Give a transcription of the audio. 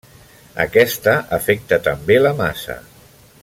Aquesta afecta també la massa.